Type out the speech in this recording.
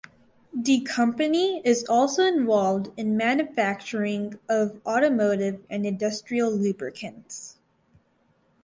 The company is also involved in manufacturing of automotive and industrial lubricants.